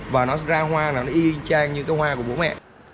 và nó ra hoa y chang như hoa của bố mẹ